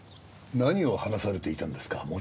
何を話されていたんですか？